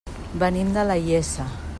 Venim de la Iessa.